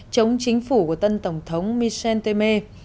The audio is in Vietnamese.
chống chính phủ của tân tổng thống michel temer